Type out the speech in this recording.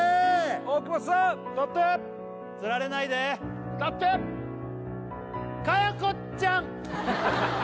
大久保さん歌ってつられないで歌って佳代子ちゃん！